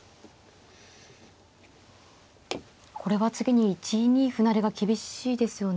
これは次に１二歩成が厳しいですよね。